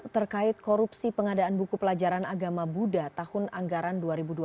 terkait korupsi pengadaan buku pelajaran agama buddha tahun anggaran dua ribu dua puluh